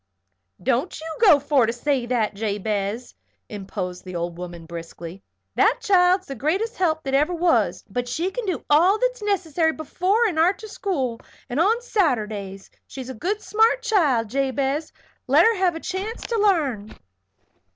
"Don't you go for to say that, Jabez," interposed the old woman, briskly. "That child's the greatest help that ever was; but she can do all that's necessary before and arter school, and on Saturdays. She's a good smart child, Jabez. Let her have a chance to l'arn."